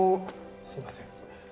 すいません。